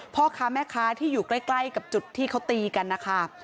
พ่อค้าแม่ค้าที่อยู่ใกล้กับจุดที่เขาตีกันนะคะ